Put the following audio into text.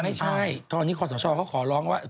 ไม่ใช่เท่านี้ความสะชอบเขาขอร้องว่า